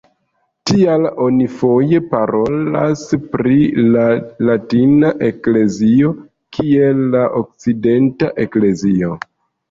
Tial oni foje parolas pri la latina eklezio kiel "la okcidenta eklezio".